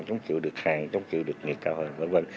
chống chịu được hàng chống chịu được nghị cao hơn v v